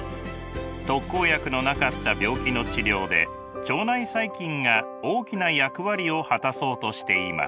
特効薬のなかった病気の治療で腸内細菌が大きな役割を果たそうとしています。